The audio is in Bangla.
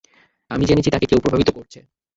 আমি জেনেছি তাকে কেউ প্রভাবিত করছে।